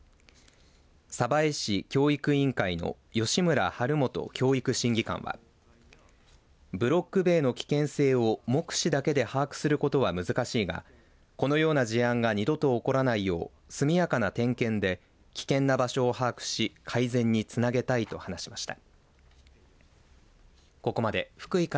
鯖江市教育委員会の吉村治基教育審議官はブロック塀の危険性を目視だけで把握することは難しいがこのような事案が二度と起こらないよう速やかな点検で危険な場所を把握し改善につなげたいと話しました。